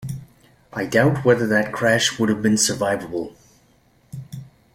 I doubt whether that crash would have been survivable.